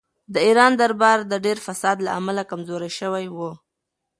د ایران دربار د ډېر فساد له امله کمزوری شوی و.